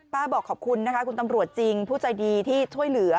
บอกขอบคุณนะคะคุณตำรวจจริงผู้ใจดีที่ช่วยเหลือ